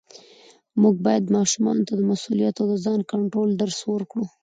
موږ باید ماشومانو ته د مسؤلیت او ځان کنټرول درس ورکړو